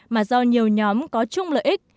mà do nhiều nhóm có chung lợi ích